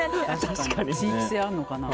地域性あるのかな。